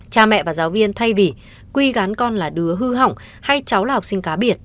cha mẹ và giáo viên thay vì quy gán con là đứa hư hỏng hay cháu là học sinh cá biệt